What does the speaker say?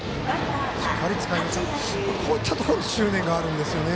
しっかり、つかんでこういったところに執念があるんですよね。